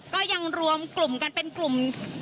ก็ยังรวมกลุ่มกันเป็นกลุ่ม